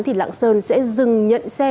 thì lạng sơn sẽ dừng nhận xe